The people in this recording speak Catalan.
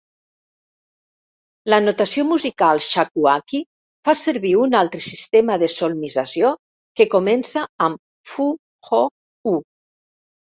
La notació musical Shakuhachi fa servir un altre sistema de solmizació que comença amb "Fu Ho U".